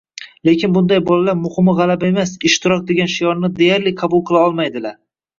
Lekin bunday bolalar “Muhimi g‘alaba emas, ishtirok” degan shiorni deyarli qabul qila olmaydilar.